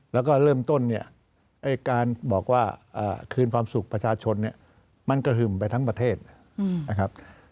แล้วก็เริ่มต้นเนี่ยการบอกว่าคืนความสุขประชาชนเนี่ยมันกระหึ่มไปทั้งประเทศนะครับ